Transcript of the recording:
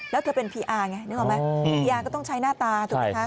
แล้วเธอเป็นพีอาร์ไงนึกออกไหมพีอาก็ต้องใช้หน้าตาถูกไหมคะ